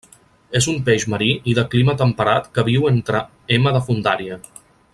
És un peix marí i de clima temperat que viu entre m de fondària.